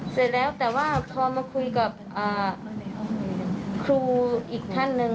เสร็จแล้วแต่ว่าพอมาคุยกับครูอีกท่านหนึ่ง